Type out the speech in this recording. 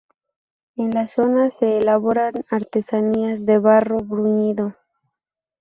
En la zona se elaboran artesanías de barro bruñido.